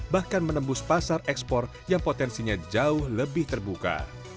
bahkan menembus pasar ekspor yang potensinya jauh lebih terbuka